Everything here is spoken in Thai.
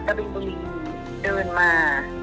ตะบินบุรีดื่นมา